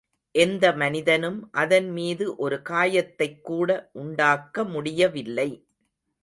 எந்த மனிதனும் அதன்மீது ஒரு காயத்தைக் கூட உண்டாக்க முடியவில்லை.